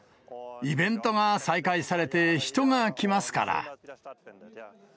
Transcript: イベントが再開されて、人が来ますから。